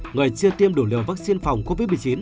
người chưa tiêm đủ liều vaccine phòng covid một mươi chín